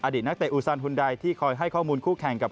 นักเตะอูซานหุ่นใดที่คอยให้ข้อมูลคู่แข่งกับ